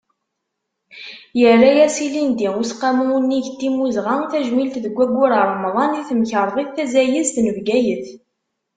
Yerra-as ilindi Useqqamu unnig n timmuzɣa tajmilt deg waggur n Remḍan di temkerḍit tazayezt n Bgayet.